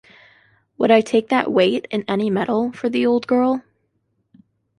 Would I take that weight — in any metal — for the old girl?